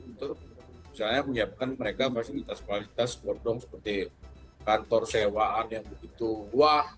untuk misalnya menyiapkan mereka fasilitas fasilitas bodong seperti kantor sewaan yang begitu wah